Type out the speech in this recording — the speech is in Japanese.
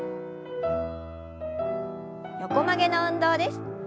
横曲げの運動です。